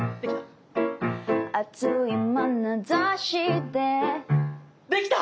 あついまなざしでできた！